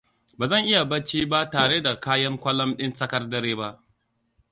Ba zan iya barci ba tare da kayan kwalam din tsakar dare ba.